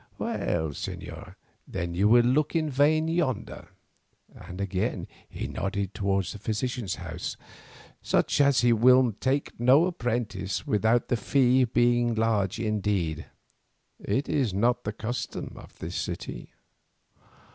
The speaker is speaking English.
Well, señor, then you will look in vain yonder," and again he nodded towards the physician's house. "Such as he will take no apprentice without the fee be large indeed; it is not the custom of this city."